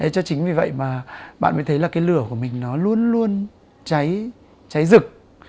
cho chính vì vậy mà bạn mới thấy là cái lửa của mình nó luôn luôn cháy cháy rực